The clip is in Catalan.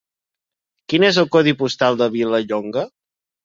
Quin és el codi postal de Vilallonga?